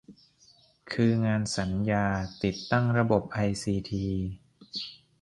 คืองานสัญญาติดตั้งระบบไอซีที